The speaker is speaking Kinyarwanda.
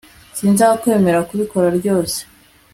sinzakwemerera kubikora ryose